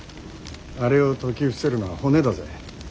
あれを説き伏せるのは骨だぜ。